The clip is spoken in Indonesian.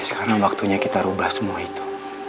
sekarang waktunya kita rubah semua itu